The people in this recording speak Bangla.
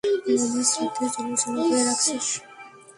মামার শ্রাদ্ধ্যের জন্য জমা করে রাখছিস?